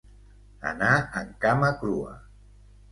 Anar en cama crua.